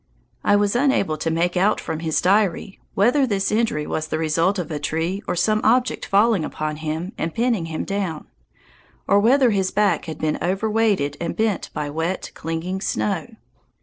I was unable to make out from his diary whether this injury was the result of a tree or some object falling upon him and pinning him down, or whether his back had been overweighted and bent by wet, clinging snow.